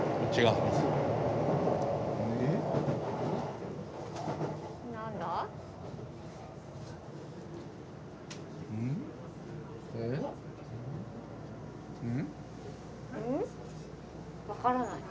うん？分からない。